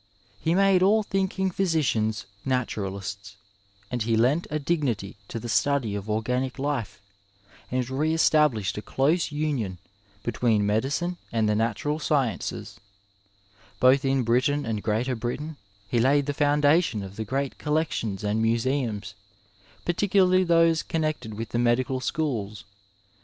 He made all thinking physicians naturatists, and he lent a dignity to the study of organic hie, and re established a close union between medicine and the nataral sciences; Both in Britain and Greater Britain he laid the foundation of the great coUeotions and museums, particularly those 184 Digitized by VjOOQIC BBiriSH MEDICINE IN GREATER BRITAIN eonneoted with the medical schoola.